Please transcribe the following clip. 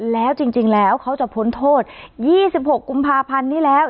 แล้วจริงแล้วเขาจะพ้นโทษ๒๖กุมภาพันธ์นี้แล้ว